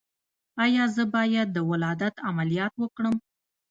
ایا زه باید د ولادت عملیات وکړم؟